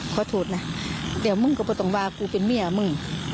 ขอโทษนะเดี๋ยวมึงก็ไม่ต้องว่ากูเป็นเมียมึง